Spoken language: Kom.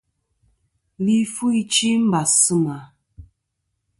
Li fu ichɨ i mbàs sɨ mà.